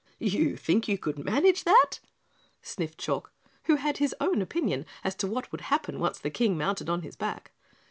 "You think you could manage that!" sniffed Chalk, who had his own opinion as to what would happen once the King mounted on his back.